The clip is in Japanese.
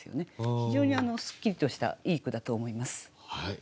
非常にすっきりとしたいい句だと思います。